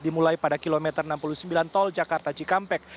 dimulai pada kilometer enam puluh sembilan tol jakarta cikampek